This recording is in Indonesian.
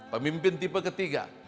pemimpin tipe ketiga